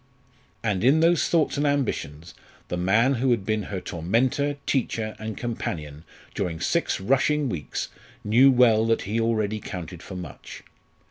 And in those thoughts and ambitions the man who had been her tormentor, teacher, and companion during six rushing weeks knew well that he already counted for much.